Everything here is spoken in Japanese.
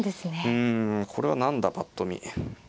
うんこれは何だぱっと見。